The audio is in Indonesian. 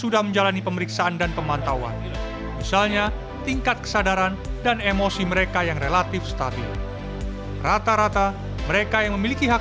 dari sekitar tujuh ratus penghuni hanya empat ratus orang yang ditindak